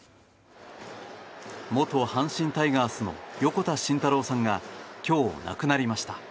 元阪神タイガースの横田慎太郎さんが今日、亡くなりました。